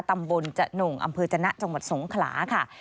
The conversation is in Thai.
ตำบลจนุ่งอจจสงขลาค่ะ